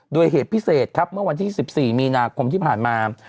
โดยเหตุพิเศษครับเมื่อวันที่๑๔มีนาคมที่ผ่านมา